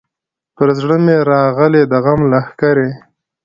پر زړه مي راغلې د غم لښکري